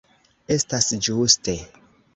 Estas ĝuste.